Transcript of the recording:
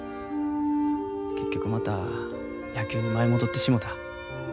結局また野球に舞い戻ってしもた。